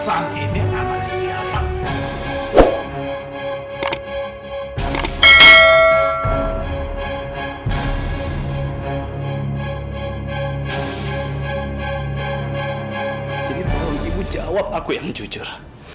aku yang jujur